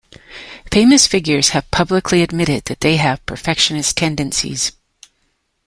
Famous figures have publicly admitted that they have perfectionist tendencies.